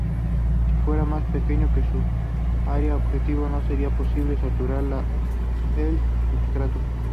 Si fuera más pequeño que su área objetivo, no sería posible saturar el substrato.